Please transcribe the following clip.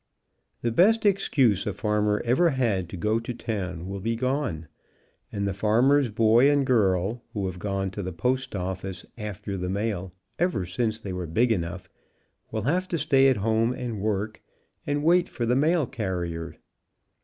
The best excuse a farmer ever had to go to town, will be gone, and the farmer's boy and girl, who have gone to the postoffice after the mail ever since they were big enough, will have to stay at home and work, and wait for the mail carrier.